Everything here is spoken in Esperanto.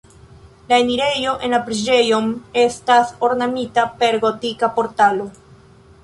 La enirejo en la preĝejon estas ornamita per gotika portalo.